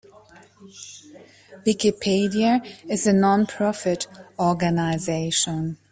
Wikipedia is a non-profit organization.